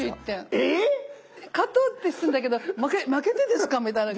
えっ⁉勝とうってするんだけど「負けてですか⁉」みたいな感じ。